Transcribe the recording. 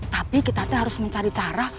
tapi kita harus mencari cara